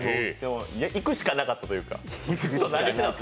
いくしかなかったというか。